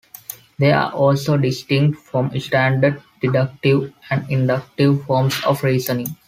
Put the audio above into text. They are also distinct from standard deductive and inductive forms of reasoning.